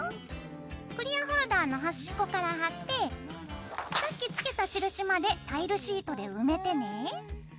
クリアホルダーの端っこから貼ってさっきつけた印までタイルシートで埋めてね。